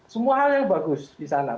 semua hal yang bagus di sana